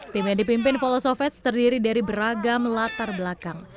tim yang dipimpin volosovets terdiri dari beragam latar belakang